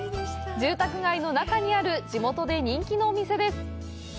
住宅街の中にある地元で人気のお店です。